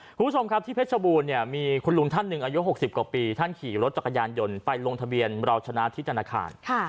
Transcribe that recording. คุณผู้ชมครับที่เพชรบูรณเนี่ยมีคุณลุงท่านหนึ่งอายุ๖๐กว่าปีท่านขี่รถจักรยานยนต์ไปลงทะเบียนเราชนะที่ธนาคาร